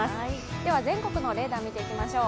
では全国のレーダー、見ていきましょう。